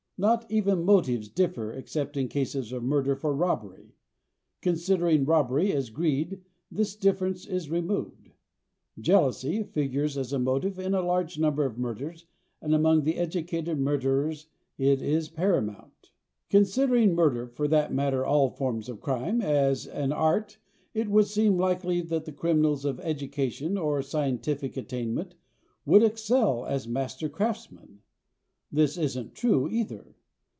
Not even motives differ except in cases of murder for robbery. Considering robbery as greed this difference is removed. Jealousy figures as a motive in a large number of murders and among the educated murderers it is paramount. Considering murder for that matter all forms of crime as an art it would seem likely that the criminals of education or scientific attainment would excel as master craftsmen. This isn't true either.